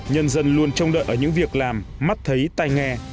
nhân dân luôn trông đợi ở những việc làm mắt thấy tay nghe